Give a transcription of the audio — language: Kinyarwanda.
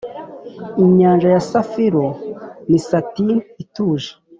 inyanja ya safiro ni satin ituje,